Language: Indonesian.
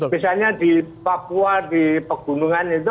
misalnya di papua di pegunungan itu